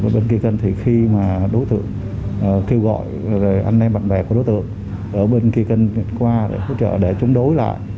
bên kia cân thì khi mà đối tượng kêu gọi anh em bạn bè của đối tượng ở bên kia cân qua để hỗ trợ để chúng đối lại